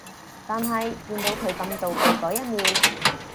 但係見到佢咁妒忌嗰一面